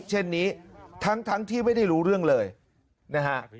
เช่นนี้ทั้งที่ไม่ได้รู้เรื่องเลยนะฮะ